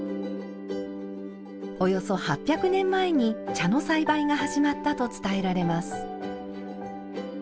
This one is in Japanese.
およそ８００年前に茶の栽培が始まったと伝えられます。